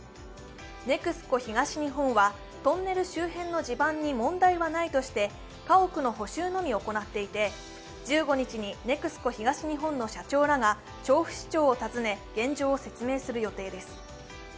ＮＥＸＣＯ東日本は、トンネル周辺の地盤に問題はないとして、家屋の補修のみ行っていて、１５日にＮＥＸＣＯ東日本の社長らが調布市長を訪ね、現状を説明する予定です。